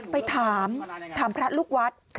ไปถามถามพระลูกวัด